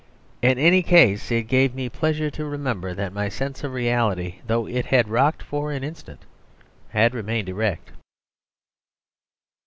In any case it gave me pleasure to remember that my sense of reality, though it had rocked for an instant, had remained erect.